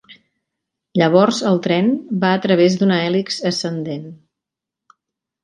Llavors el tren va a través d'una hèlix ascendent.